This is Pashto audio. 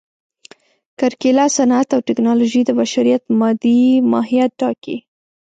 کرکېله، صنعت او ټکنالوژي د بشریت مادي ماهیت ټاکي.